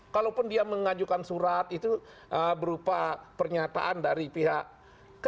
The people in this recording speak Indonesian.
kalaupun dia mengajukan surat itu berupa pernyataan dari pihak kepolisian